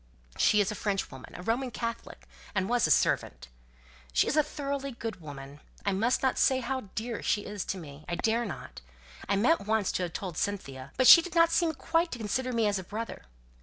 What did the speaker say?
She is a Frenchwoman, a Roman Catholic, and was a servant. She is a thoroughly good woman. I must not say how dear she is to me. I dare not. I meant once to have told Cynthia, but she didn't seem quite to consider me as a brother.